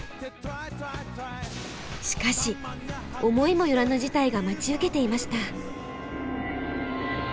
しかし思いも寄らぬ事態が待ち受けていました。